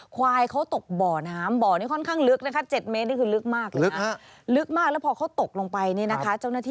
ควายเขาตกบ่อน้ำบ่อนี่ค่อนข้างลึก